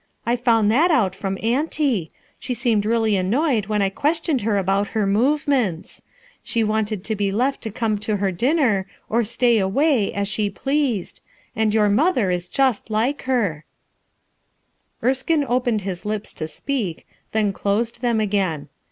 I found that out from auntie; she seemed really annoyed when I questioned her nbout her movements. She wanted to be left to~comc to her tlinncr, or *tay 2 IS RUTH ERSKINE'S SON away, as she pleased; and your mother is just like her," Erskine opened his lips to speak, then closed them again.